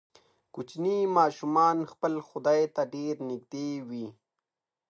کوچني ماشومان خپل خدای ته ډیر نږدې وي.